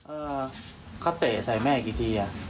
เออเขาเตะใส่แม่กี่ทีอ่ะ